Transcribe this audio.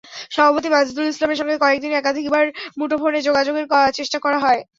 সভাপতি মাজিদুল ইসলামের সঙ্গে কয়েক দিন একাধিকবার মুঠোফোনে যোগাযোগের চেষ্টা করা হয়।